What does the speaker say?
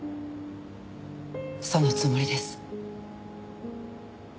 そのつもりです。